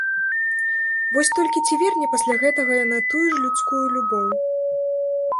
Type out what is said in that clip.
Вось толькі ці верне пасля гэтага яна тую ж людскую любоў?